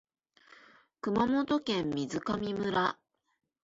熊本県水上村